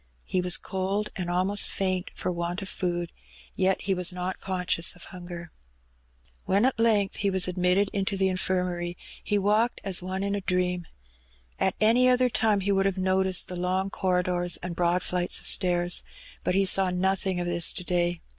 He was cold, and almost faint for want of food, yet he was not conscious of hunger. When at length he was admitted into the Infirmary he walked as one in a dream. At any other time he would have noticed the long corridors and brpad fiights of stairs. But he savr nothing of this to day.